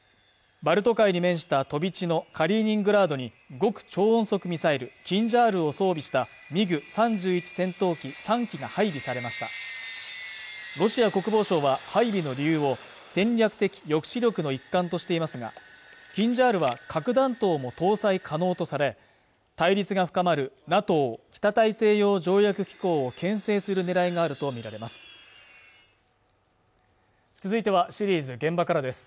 バルト海に面した飛び地のカリーニングラードに極超音速ミサイルキンジャールを装備したミグ３１戦闘機３機が配備されましたロシア国防省は配備の理由を戦略的抑止力の一環としていますがキンジャールは核弾頭も搭載可能とされ対立が深まるＮＡＴＯ＝北大西洋条約機構をけん制するねらいがあると見られます